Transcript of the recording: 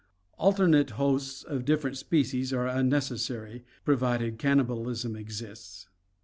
Alternate hosts of different species are unnecessary, provided cannibalism exists.